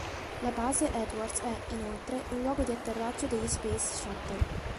La base Edwards è, inoltre, un luogo di atterraggio degli Space Shuttle.